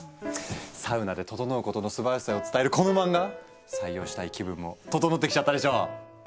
「サウナでととのう」ことのすばらしさを伝えるこの漫画採用したい気分もととのってきちゃったでしょう。